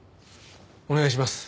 お願いします。